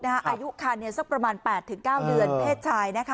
อายุครานีคือสักประมาณ๘๙เดือนเทพชาย